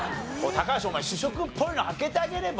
高橋お前主食っぽいの開けてあげれば？